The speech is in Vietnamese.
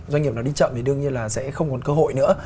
doanh nghiệp nào đi chậm thì đương nhiên là sẽ không còn cơ hội nữa